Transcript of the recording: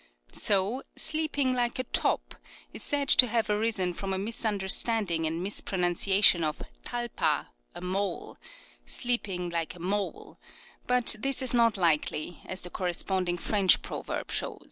So " Sleeping like a top " is said to have arisen from a misunderstanding and mispronunciation of talpa, a mole—" Sleep ing like a mole "; but this is not likely, as the corresponding French proverb shows.